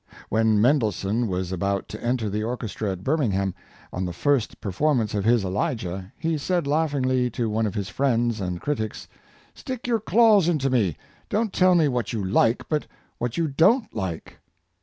When Mendelssohn was about to enter the orchestra at Birmingham, on the first performance of his " Elijah," he said laughingly to one of his friends and critics, ^' stick your claws into me ! Don't tell me what you like, but what you don't like!